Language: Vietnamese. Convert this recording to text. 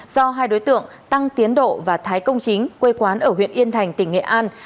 do hai đối tượng tăng tiến độ và thái công chính quê quán ở huyện yên thành tỉnh nghệ an